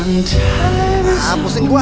nah pusing gua